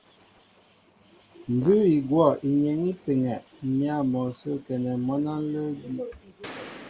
Mbʉ́ʉ́ i gwɔ̂ inyeŋ í peŋɛ m̀yǎ mɔ sə́ a kɛnɛ mwǎn á ǹlə́ edí'.